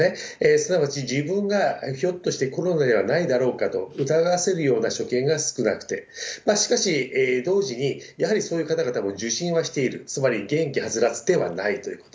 すなわち自分がひょっとしてコロナではないだろうかと疑わせるような所見が少なくて、しかし、同時にやはりそういう方々も受診はしている、つまり、元気はつらつではないということ。